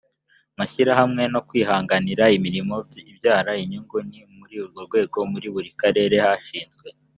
mashyirahamwe no kwihangira imirimo ibyara inyungu ni muri urwo rwego muri buri karere hashinzwe